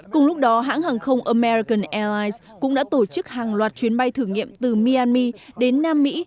cùng lúc đó hãng hàng không american airlines cũng đã tổ chức hàng loạt chuyến bay thử nghiệm từ miami đến nam mỹ